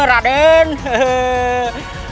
raden kian satang masih hidup